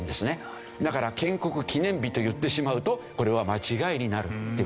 だから建国記念日と言ってしまうとこれは間違いになるという事なんですね。